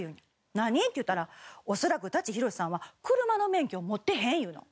何？って言ったら恐らく舘ひろしさんは車の免許を持ってへん言うの。